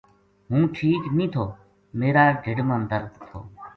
ہوں ٹھیک نیہہ تھو میرا ڈھیڈ ما درد تھو ‘‘